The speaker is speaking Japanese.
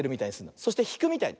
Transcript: そしてひくみたいに。